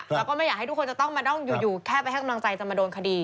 แล้วก็ไม่อยากให้ทุกคนจะต้องมาต้องอยู่แค่ไปให้กำลังใจจะมาโดนคดี